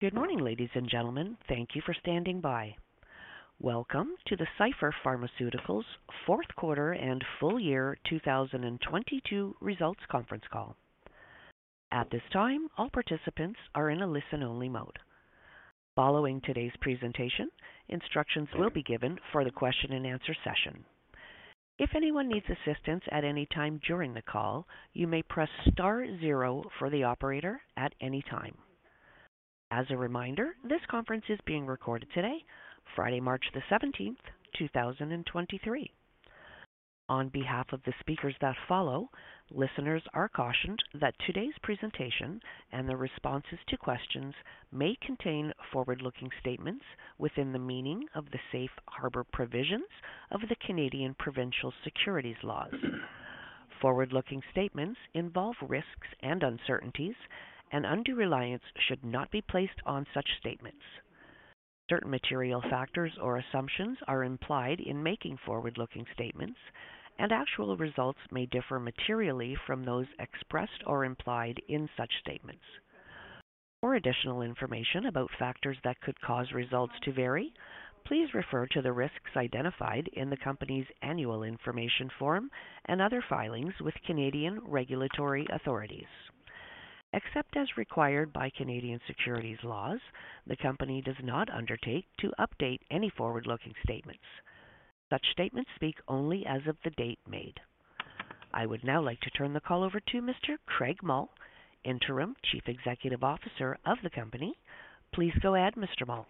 Good morning, ladies and gentlemen. Thank you for standing by. Welcome to the Cipher Pharmaceuticals fourth quarter and full year 2022 results conference call. At this time, all participants are in a listen-only mode. Following today's presentation, instructions will be given for the question and answer session. If anyone needs assistance at any time during the call, you may press star 0 for the operator at any time. As a reminder, this conference is being recorded today, Friday, March 17th, 2023. On behalf of the speakers that follow, listeners are cautioned that today's presentation and the responses to questions may contain forward-looking statements within the meaning of the safe harbor provisions of the Canadian provincial securities laws. Undue reliance should not be placed on such statements. Certain material factors or assumptions are implied in making forward-looking statements, and actual results may differ materially from those expressed or implied in such statements. For additional information about factors that could cause results to vary, please refer to the risks identified in the company's annual information form and other filings with Canadian regulatory authorities. Except as required by Canadian securities laws, the company does not undertake to update any forward-looking statements. Such statements speak only as of the date made. I would now like to turn the call over to Mr. Craig Mull, Interim Chief Executive Officer of the company. Please go ahead, Mr. Mull.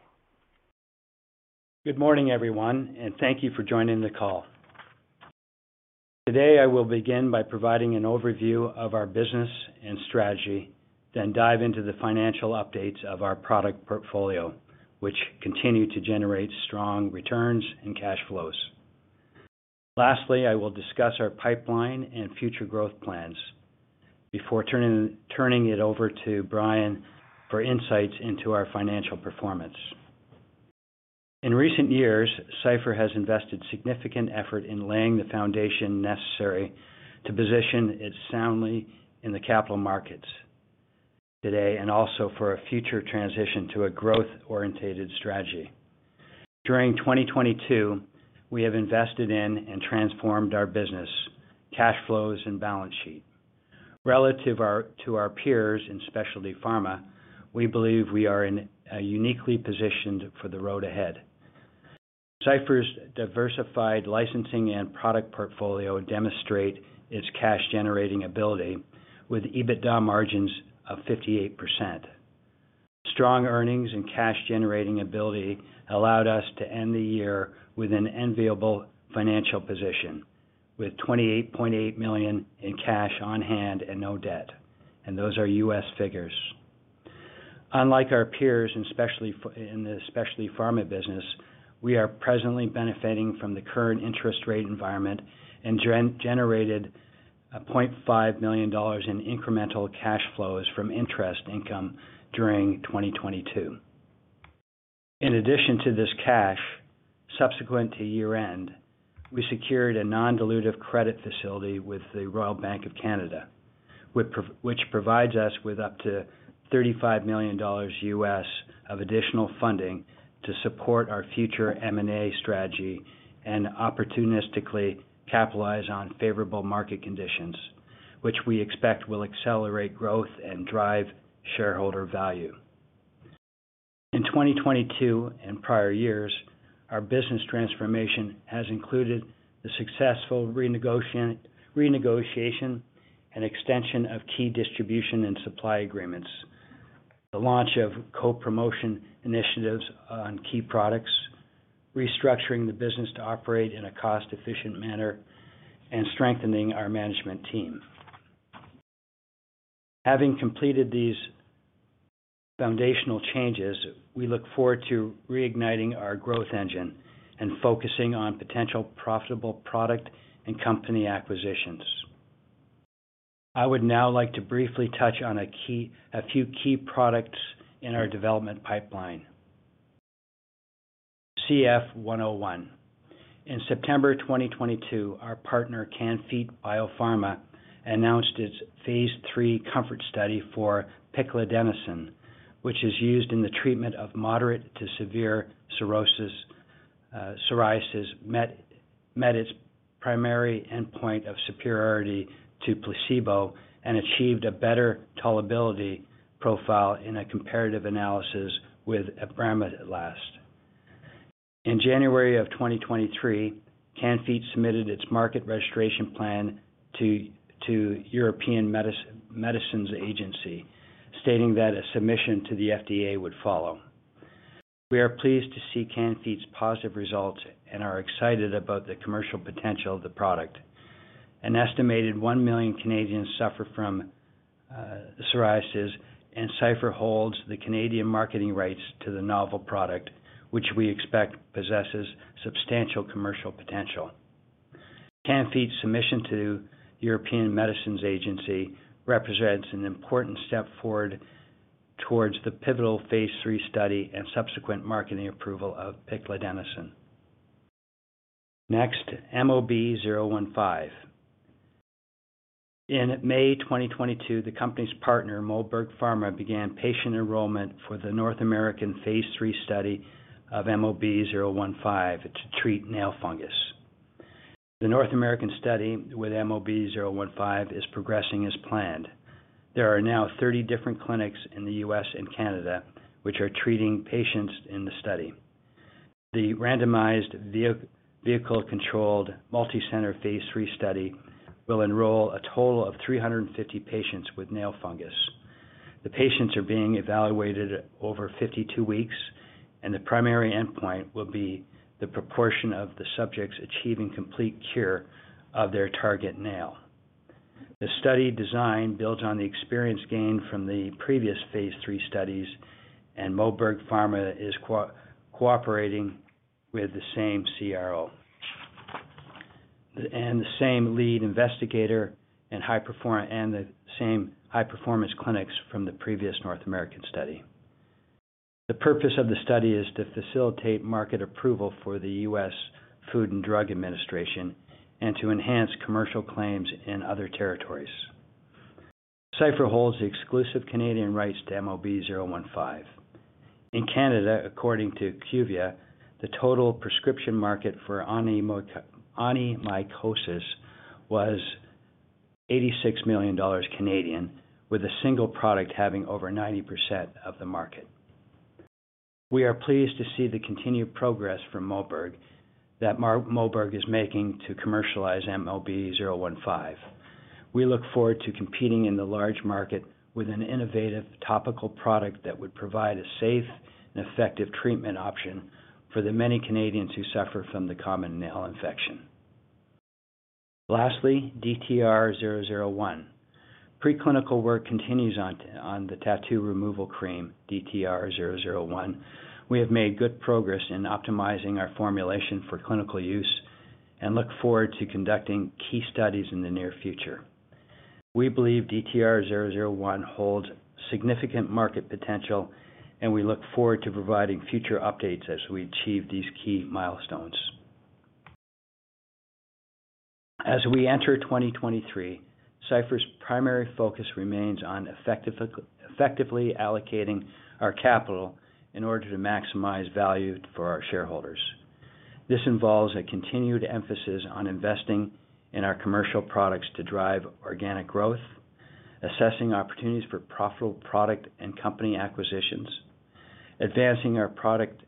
Good morning, everyone, thank you for joining the call. Today, I will begin by providing an overview of our business and strategy, then dive into the financial updates of our product portfolio, which continue to generate strong returns and cash flows. Lastly, I will discuss our pipeline and future growth plans before turning it over to Bryan for insights into our financial performance. In recent years, Cipher has invested significant effort in laying the foundation necessary to position it soundly in the capital markets today and also for a future transition to a growth-oriented strategy. During 2022, we have invested in and transformed our business cash flows and balance sheet. Relative to our peers in specialty pharma, we believe we are uniquely positioned for the road ahead. Cipher's diversified licensing and product portfolio demonstrate its cash-generating ability with EBITDA margins of 58%. Strong earnings and cash-generating ability allowed us to end the year with an enviable financial position with $28.8 million in cash on hand and no debt. Those are U.S. figures. Unlike our peers in the specialty pharma business, we are presently benefiting from the current interest rate environment and generated $0.5 million in incremental cash flows from interest income during 2022. In addition to this cash, subsequent to year-end, we secured a non-dilutive credit facility with the Royal Bank of Canada, which provides us with up to $35 million U.S. of additional funding to support our future M&A strategy and opportunistically capitalize on favorable market conditions, which we expect will accelerate growth and drive shareholder value. In 2022 and prior years, our business transformation has included the successful renegotiation and extension of key distribution and supply agreements, the launch of co-promotion initiatives on key products, restructuring the business to operate in a cost-efficient manner, and strengthening our management team. Having completed these foundational changes, we look forward to reigniting our growth engine and focusing on potential profitable product and company acquisitions. I would now like to briefly touch on a few key products in our development pipeline. CF-101. In September 2022, our partner Can-Fite BioPharma announced its phase III COMFORT study for Piclidenoson, which is used in the treatment of moderate to severe psoriasis met its primary endpoint of superiority to placebo and achieved a better tolerability profile in a comparative analysis with apremilast. In January 2023, Can-Fite submitted its market registration plan to European Medicines Agency, stating that a submission to the FDA would follow. We are pleased to see Can-Fite's positive results and are excited about the commercial potential of the product. An estimated 1 million Canadians suffer from psoriasis, and Cipher holds the Canadian marketing rights to the novel product, which we expect possesses substantial commercial potential. Can-Fite's submission to European Medicines Agency represents an important step forward towards the pivotal phase III study and subsequent marketing approval of Piclidenoson. Next, MOB-015. In May 2022, the company's partner, Moberg Pharma, began patient enrollment for the North American phase III study of MOB-015 to treat nail fungus. The North American study with MOB-015 is progressing as planned. There are now 30 different clinics in the U.S. and Canada which are treating patients in the study. The randomized vehicle controlled multicenter phase III study will enroll a total of 350 patients with nail fungus. The patients are being evaluated over 52 weeks, and the primary endpoint will be the proportion of the subjects achieving complete cure of their target nail. The study design builds on the experience gained from the previous phase III studies, and Moberg Pharma is cooperating with the same CRO, and the same lead investigator, and the same high-performance clinics from the previous North American study. The purpose of the study is to facilitate market approval for the U.S. Food and Drug Administration and to enhance commercial claims in other territories. Cipher holds the exclusive Canadian rights to MOB-015. In Canada, according to IQVIA, the total prescription market for onychomycosis was 86 million Canadian dollars, with a single product having over 90% of the market. We are pleased to see the continued progress from Moberg that Moberg is making to commercialize MOB-015. We look forward to competing in the large market with an innovative topical product that would provide a safe and effective treatment option for the many Canadians who suffer from the common nail infection. Lastly, DTR-001. Pre-clinical work continues on the tattoo removal cream, DTR-001. We have made good progress in optimizing our formulation for clinical use and look forward to conducting key studies in the near future. We believe DTR-001 holds significant market potential, and we look forward to providing future updates as we achieve these key milestones. As we enter 2023, Cipher's primary focus remains on effectively allocating our capital in order to maximize value for our shareholders. This involves a continued emphasis on investing in our commercial products to drive organic growth, assessing opportunities for profitable product and company acquisitions, advancing our product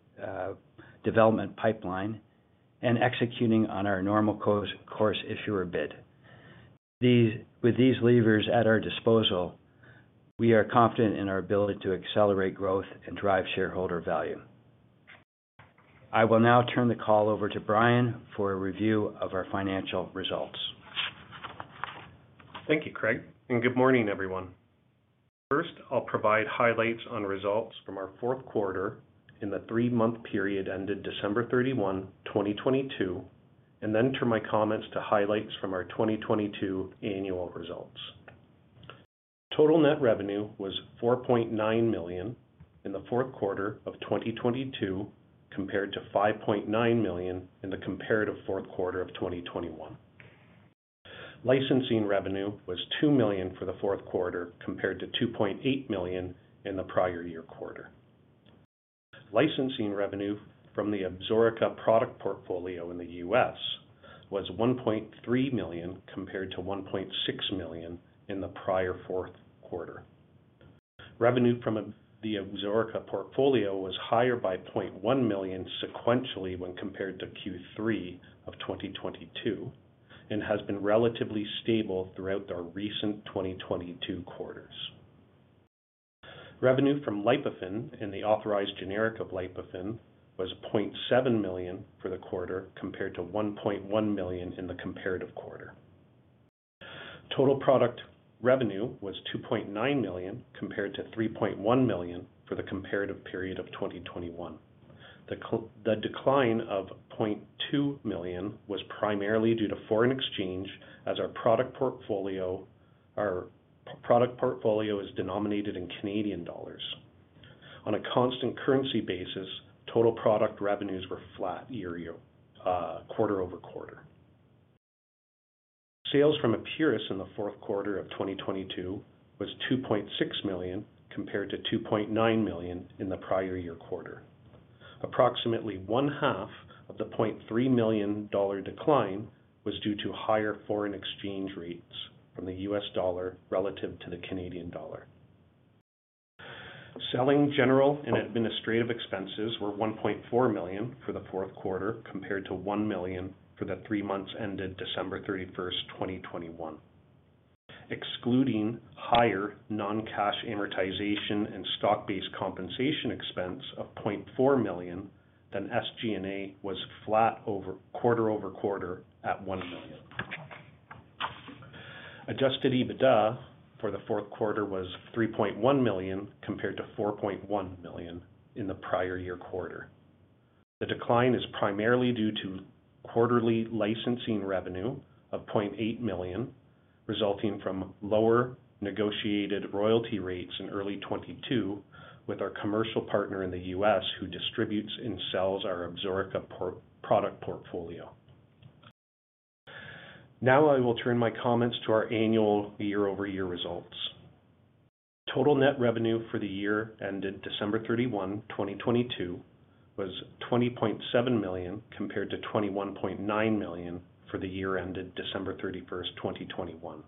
development pipeline, and executing on our normal course issuer bid. With these levers at our disposal, we are confident in our ability to accelerate growth and drive shareholder value. I will now turn the call over to Bryan for a review of our financial results. Thank you, Craig. Good morning, everyone. First, I'll provide highlights on results from our fourth quarter in the three-month period ended December 31, 2022, then turn my comments to highlights from our 2022 annual results. Total net revenue was $4.9 million in the fourth quarter of 2022, compared to $5.9 million in the comparative fourth quarter of 2021. Licensing revenue was $2 million for the fourth quarter, compared to $2.8 million in the prior year quarter. Licensing revenue from the Absorica product portfolio in the U.S. was $1.3 million, compared to $1.6 million in the prior fourth quarter. Revenue from the Absorica portfolio was higher by $0.1 million sequentially when compared to Q3 of 2022, and has been relatively stable throughout our recent 2022 quarters. Revenue from Lipofen and the authorized generic of Lipofen was $0.7 million for the quarter compared to $1.1 million in the comparative quarter. Total product revenue was $2.9 million compared to $3.1 million for the comparative period of 2021. The decline of $0.2 million was primarily due to foreign exchange as our product portfolio is denominated in Canadian dollars. On a constant currency basis, total product revenues were flat quarter-over-quarter. Sales from Epuris in the fourth quarter of 2022 was $2.6 million, compared to $2.9 million in the prior year quarter. Approximately one half of the $0.3 million dollar decline was due to higher foreign exchange rates from the U.S. dollar relative to the Canadian dollar. Selling general and administrative expenses were $1.4 million for the fourth quarter, compared to $1 million for the three months ended December 31, 2021. Excluding higher non-cash amortization and stock-based compensation expense of $0.4 million, SG&A was flat quarter-over-quarter at $1 million. Adjusted EBITDA for the fourth quarter was $3.1 million compared to $4.1 million in the prior year quarter. The decline is primarily due to quarterly licensing revenue of $0.8 million, resulting from lower negotiated royalty rates in early 2022 with our commercial partner in the US who distributes and sells our Absorica product portfolio. I will turn my comments to our annual year-over-year results. Total net revenue for the year ended December 31, 2022 was $20.7 million, compared to $21.9 million for the year ended December 31, 2021.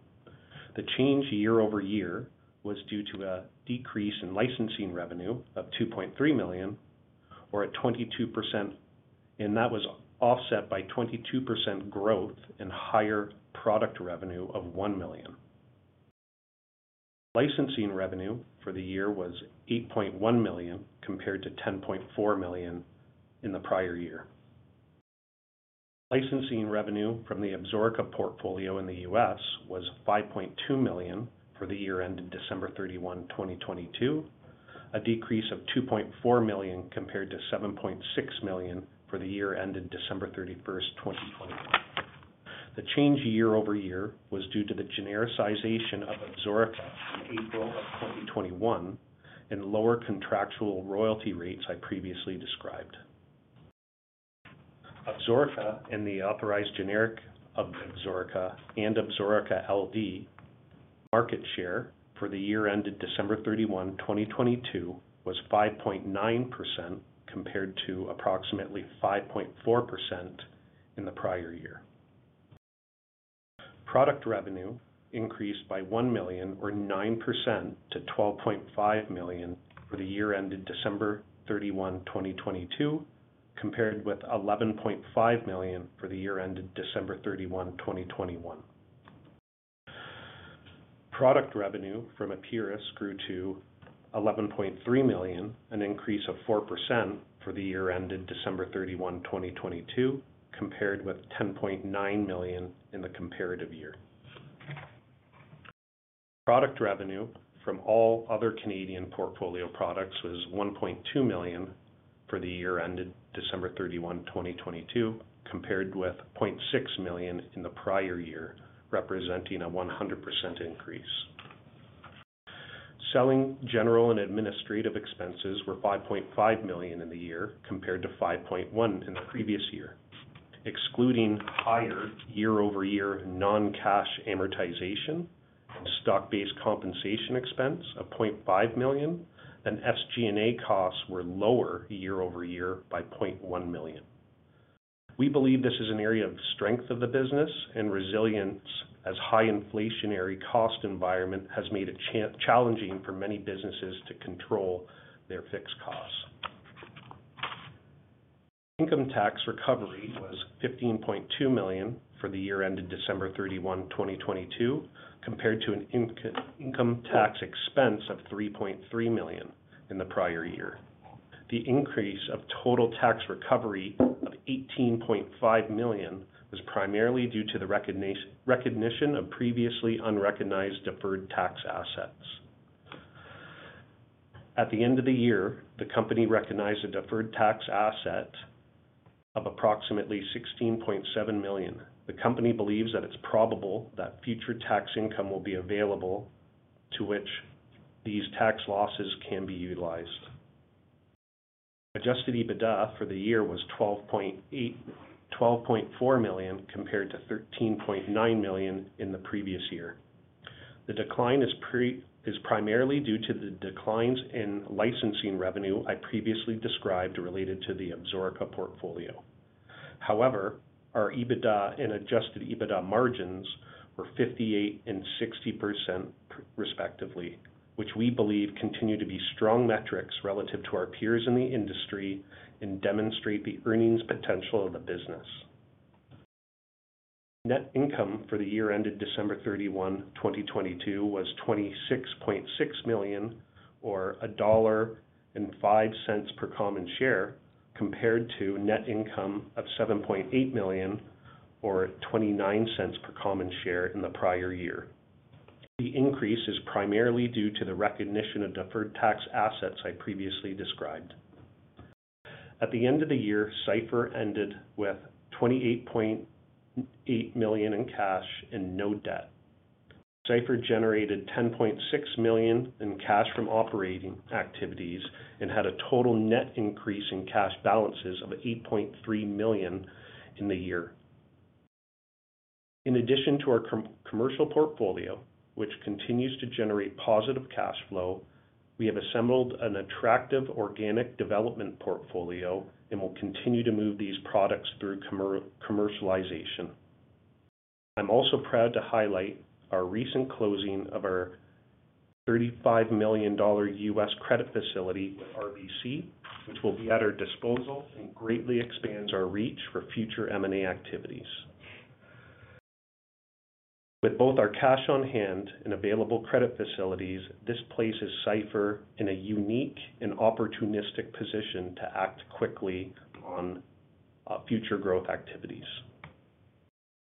The change year-over-year was due to a decrease in licensing revenue of $2.3 million or at 22%. That was offset by 22% growth in higher product revenue of $1 million. Licensing revenue for the year was $8.1 million compared to $10.4 million in the prior year. Licensing revenue from the Absorica portfolio in the U.S. was $5.2 million for the year ended December 31, 2022, a decrease of $2.4 million compared to $7.6 million for the year ended December 31st, 2021. The change year-over-year was due to the genericization of Absorica in April of 2021 and lower contractual royalty rates I previously described. Absorica and the authorized generic of Absorica and Absorica LD market share for the year ended December 31, 2022, was 5.9% compared to approximately 5.4% in the prior year. Product revenue increased by $1 million or 9% to $12.5 million for the year ended December 31, 2022, compared with $11.5 million for the year ended December 31, 2021. Product revenue from Epuris grew to $11.3 million, an increase of 4% for the year ended December 31, 2022, compared with $10.9 million in the comparative year. Product revenue from all other Canadian portfolio products was $1.2 million for the year ended December 31, 2022, compared with $0.6 million in the prior year, representing a 100% increase. Selling General and Administrative Expenses were $5.5 million in the year compared to $5.1 million in the previous year. Excluding higher year-over-year non-cash amortization and stock-based compensation expense of $0.5 million, SG&A costs were lower year-over-year by $0.1 million. We believe this is an area of strength of the business and resilience as high inflationary cost environment has made it challenging for many businesses to control their fixed costs. Income tax recovery was $15.2 million for the year ended December 31, 2022, compared to an income tax expense of $3.3 million in the prior year. The increase of total tax recovery of $18.5 million was primarily due to the recognition of previously unrecognized deferred tax assets. At the end of the year, the company recognized a deferred tax asset of approximately $16.7 million. The company believes that it's probable that future tax income will be available, to which these tax losses can be utilized. Adjusted EBITDA for the year was $12.4 million compared to $13.9 million in the previous year. The decline is primarily due to the declines in licensing revenue I previously described related to the Absorica portfolio. Our EBITDA and Adjusted EBITDA margins were 58% and 60% respectively, which we believe continue to be strong metrics relative to our peers in the industry and demonstrate the earnings potential of the business. Net income for the year ended December 31, 2022 was $26.6 million or $1.05 per common share, compared to net income of $7.8 million or $0.29 per common share in the prior year. The increase is primarily due to the recognition of deferred tax assets I previously described. At the end of the year, Cipher ended with $28.8 million in cash and no debt. Cipher generated $10.6 million in cash from operating activities and had a total net increase in cash balances of $8.3 million in the year. In addition to our commercial portfolio, which continues to generate positive cash flow, we have assembled an attractive organic development portfolio and will continue to move these products through commercialization. I'm also proud to highlight our recent closing of our $35 million credit facility with RBC, which will be at our disposal and greatly expands our reach for future M&A activities. With both our cash on hand and available credit facilities, this places Cipher in a unique and opportunistic position to act quickly on future growth activities.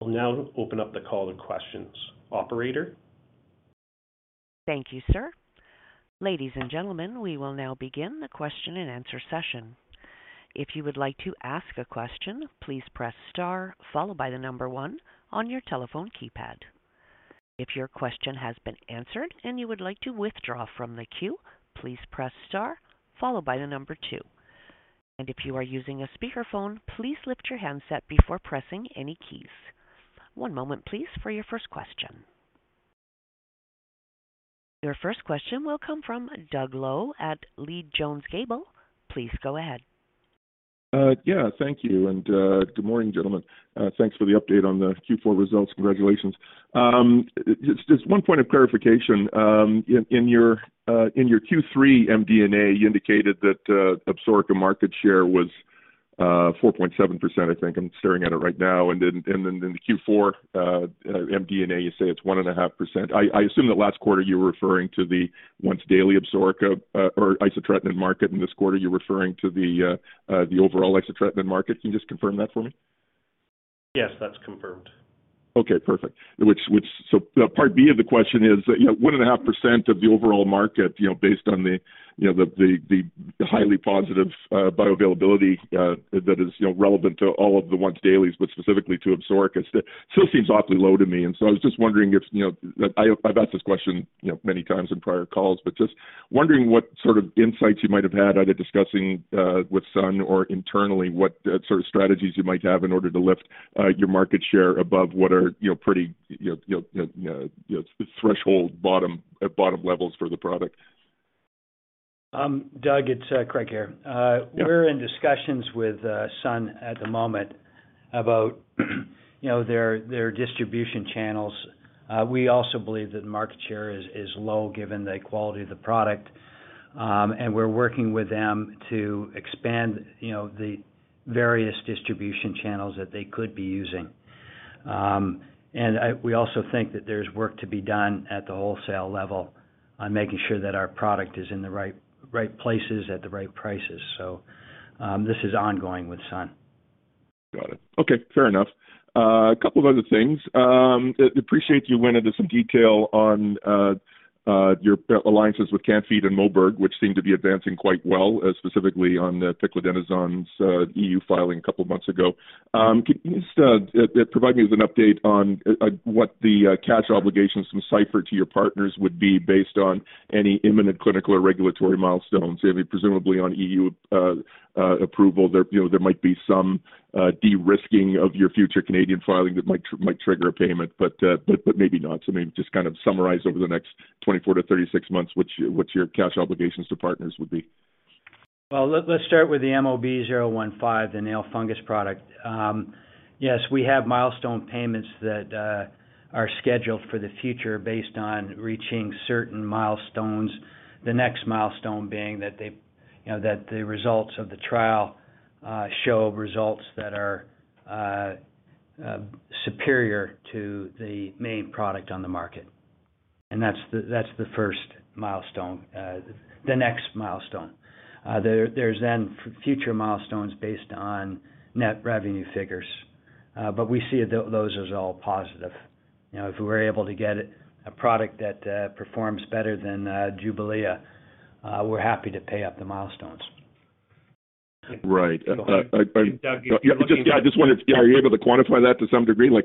I'll now open up the call to questions. Operator? Thank you, sir. Ladies and gentlemen, we will now begin the question and answer session. If you would like to ask a question, please press star followed by the number one on your telephone keypad. If your question has been answered and you would like to withdraw from the queue, please press star followed by the number two. If you are using a speakerphone, please lift your handset before pressing any keys. One moment please for your first question. Your first question will come from Doug Loe at Leede Jones Gable. Please go ahead. Thank you. Good morning, gentlemen. Thanks for the update on the Q4 results. Congratulations. Just one point of clarification. In your Q3 MD&A, you indicated that Absorica market share was 4.7%, I think. I'm staring at it right now. In the Q4 MD&A, you say it's 1.5%. I assume that last quarter you were referring to the once-daily Absorica or isotretinoin market. This quarter you're referring to the overall isotretinoin market. Can you just confirm that for me? Yes, that's confirmed. Okay, perfect. Which, Part B of the question is, you know, 1.5% of the overall market, you know, based on the, you know, the highly positive bioavailability, that is, you know, relevant to all of the once dailies, but specifically to Absorica. Still seems awfully low to me. I was just wondering if, you know... I've asked this question, you know, many times in prior calls, but just wondering what sort of insights you might have had either discussing with Sun or internally what sort of strategies you might have in order to lift your market share above what are, you know, pretty, you know, threshold bottom levels for the product. Doug, it's Craig here. Yeah. We're in discussions with Sun at the moment about, you know, their distribution channels. We also believe that the market share is low given the quality of the product. We're working with them to expand, you know, the various distribution channels that they could be using. We also think that there's work to be done at the wholesale level on making sure that our product is in the right places at the right prices. This is ongoing with Sun. Got it. Okay. Fair enough. A couple of other things. Appreciate you went into some detail on your alliances with Can-Fite and Moberg, which seem to be advancing quite well, specifically on the Piclidenoson's EU filing a couple of months ago. Can you just provide me with an update on what the cash obligations from Cipher to your partners would be based on any imminent clinical or regulatory milestones, presumably on EU approval? There, you know, there might be some de-risking of your future Canadian filing that might trigger a payment, but maybe not. Maybe just kind of summarize over the next 24-36 months, what's your cash obligations to partners would be. Well, let's start with the MOB-015, the nail fungus product. Yes, we have milestone payments that are scheduled for the future based on reaching certain milestones, the next milestone being that they, you know, that the results of the trial show results that are superior to the main product on the market. That's the first milestone, the next milestone. There's then future milestones based on net revenue figures. We see those as all positive. You know, if we were able to get a product that performs better than JUBLIA, we're happy to pay up the milestones. Right. Doug, if you're. Yeah. Yeah. Are you able to quantify that to some degree, like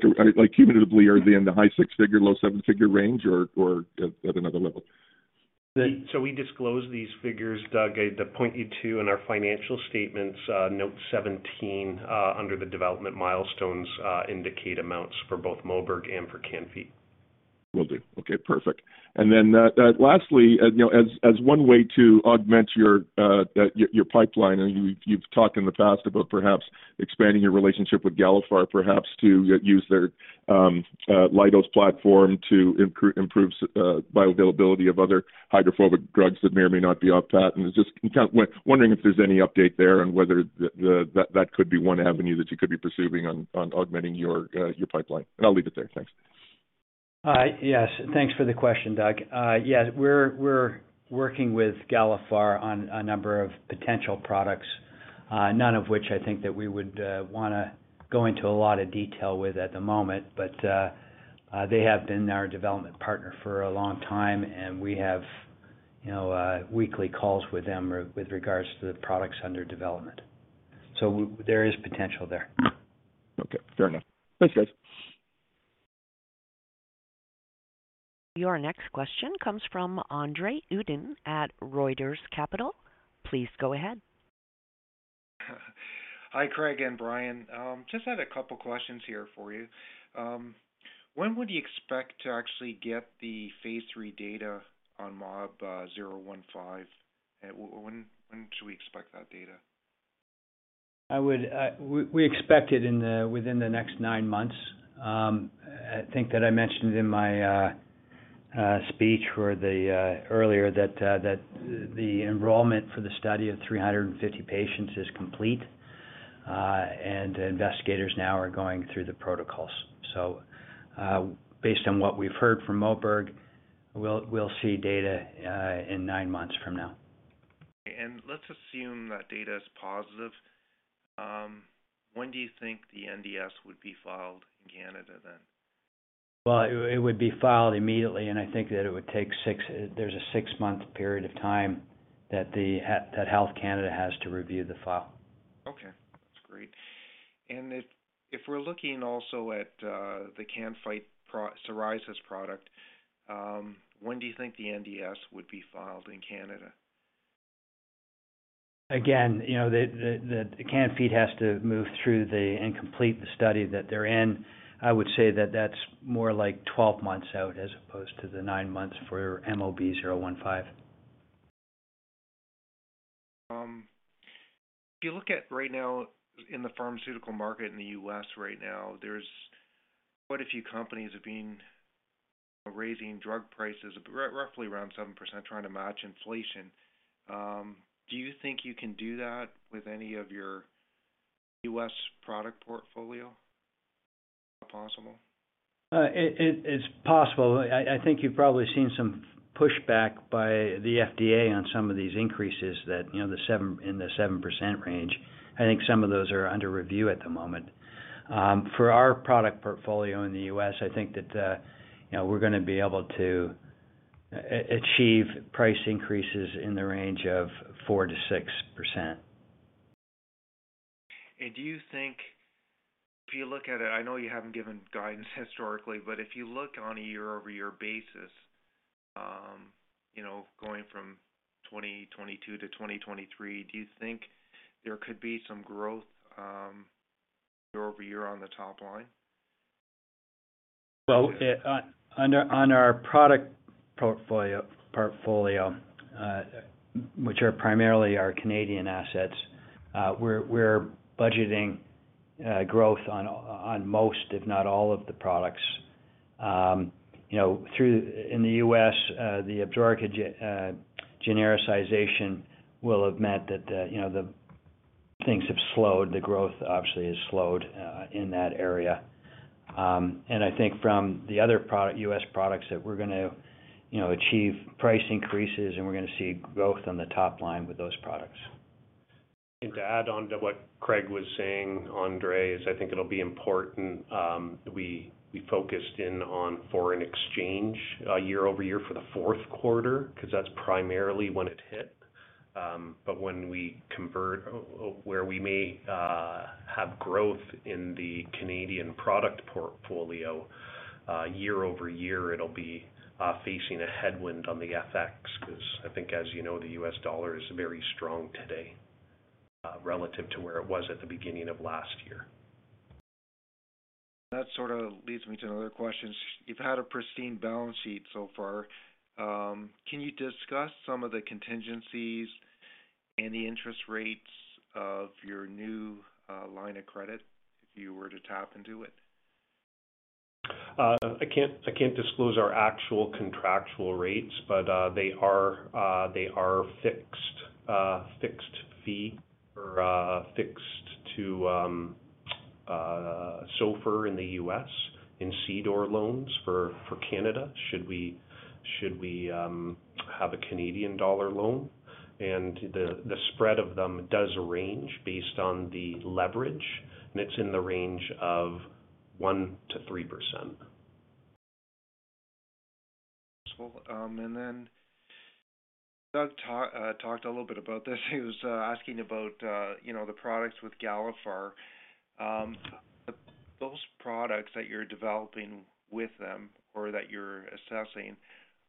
cumulatively are they in the high six figure, low seven figure range or at another level? We disclose these figures, Doug. I'd point you to in our financial statements, note 17, under the development milestones, indicate amounts for both Moberg and for Can-Fite. Will do. Okay, perfect. Lastly, you know, as one way to augment your pipeline, and you've talked in the past about perhaps expanding your relationship with Galephar perhaps to use their Lidose platform to improve bioavailability of other hydrophobic drugs that may or may not be off patent. Just kind of wondering if there's any update there and whether that could be one avenue that you could be pursuing on augmenting your pipeline. I'll leave it there. Thanks. Yes, thanks for the question, Doug. Yes, we're working with Galephar on a number of potential products, none of which I think that we would wanna go into a lot of detail with at the moment. They have been our development partner for a long time, and we have, you know, weekly calls with them with regards to the products under development. There is potential there. Okay. Fair enough. Thanks, guys. Your next question comes from Andre Uddin at Research Capital. Please go ahead. Hi, Craig and Bryan. Just had a couple questions here for you. When would you expect to actually get the phase III data on MOB-015? When, when should we expect that data? I would, we expect it in the within the next nine months. I think that I mentioned in my speech for the earlier that the enrollment for the study of 350 patients is complete, and the investigators now are going through the protocols. Based on what we've heard from Moberg, we'll see data in nine months from now. Let's assume that data is positive. When do you think the NDS would be filed in Canada then? Well, it would be filed immediately, and I think that There's a six-month period of time that Health Canada has to review the file. Okay, that's great. If we're looking also at the Can-Fite psoriasis product, when do you think the NDS would be filed in Canada? Again, you know, Can-Fite has to move through and complete the study that they're in. I would say that that's more like 12 months out as opposed to the nine months for MOB-015. If you look at right now in the pharmaceutical market in the US right now, there's quite a few companies have been raising drug prices at roughly around 7% trying to match inflation. Do you think you can do that with any of your U.S. product portfolio? Is that possible? It's possible. I think you've probably seen some pushback by the FDA on some of these increases that, you know, in the 7% range. I think some of those are under review at the moment. For our product portfolio in the U.S., I think that, you know, we're gonna be able to achieve price increases in the range of 4%-6%. Do you think if you look at it, I know you haven't given guidance historically, but if you look on a year-over-year basis, you know, going from 2022 to 2023, do you think there could be some growth, year-over-year on the top line? Well, on our product portfolio, which are primarily our Canadian assets, we're budgeting growth on most, if not all, of the products. You know, in the U.S., the Absorica genericization will have meant that, you know, the things have slowed. The growth obviously has slowed in that area. I think from the other product, U.S. products that we're gonna, you know, achieve price increases and we're gonna see growth on the top line with those products. To add on to what Craig was saying, Andre, is I think it'll be important, we focused in on foreign exchange year-over-year for the fourth quarter 'cause that's primarily when it hit. When we convert where we may have growth in the Canadian product portfolio year-over-year, it'll be facing a headwind on the FX 'cause I think as you know, the U.S. dollar is very strong today, relative to where it was at the beginning of last year. That sort of leads me to another question. You've had a pristine balance sheet so far. Can you discuss some of the contingencies and the interest rates of your new line of credit if you were to tap into it? I can't disclose our actual contractual rates, but they are fixed fee or fixed to SOFR in the U.S. and CDOR loans for Canada should we have a Canadian dollar loan. The spread of them does range based on the leverage, and it's in the range of 1%-3%. Useful. Doug talked a little bit about this. He was asking about, you know, the products with Galephar. Those products that you're developing with them or that you're assessing,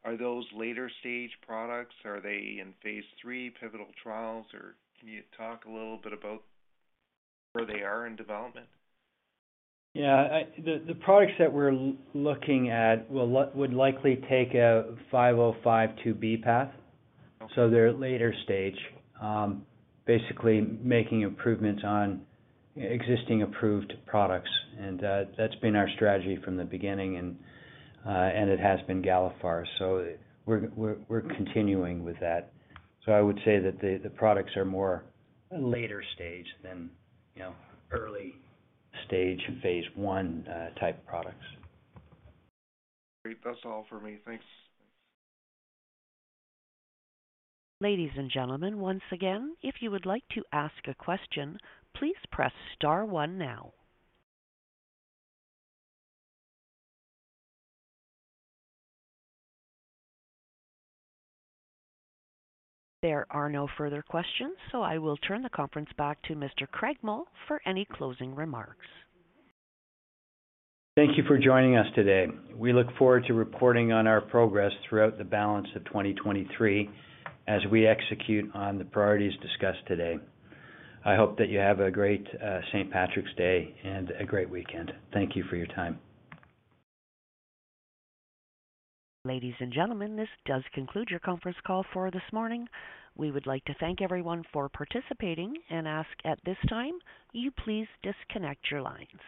are those later stage products? Are they in phase III pivotal trials? Can you talk a little bit about where they are in development? The products that we're looking at would likely take a 505(b)(2) path. They're later stage, basically making improvements on existing approved products. That's been our strategy from the beginning and it has been Galephar. We're continuing with that. I would say that the products are more later stage than, you know, early stage phase I type products. Great. That's all for me. Thanks. Ladies and gentlemen, once again, if you would like to ask a question, please press star one now. There are no further questions. I will turn the conference back to Mr. Craig Mull for any closing remarks. Thank you for joining us today. We look forward to reporting on our progress throughout the balance of 2023 as we execute on the priorities discussed today. I hope that you have a great St. Patrick's Day and a great weekend. Thank you for your time. Ladies and gentlemen, this does conclude your conference call for this morning. We would like to thank everyone for participating and ask at this time you please disconnect your lines.